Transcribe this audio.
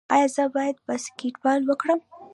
ایا زه باید باسکیټبال وکړم؟